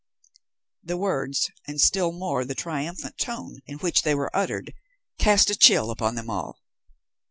The words and still more the triumphant tone in which they were uttered cast a chill upon them all.